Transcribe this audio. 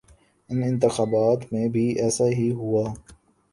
ان انتخابات میں بھی ایسا ہی ہوا۔